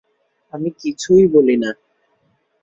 আমি কিছুই বলি না।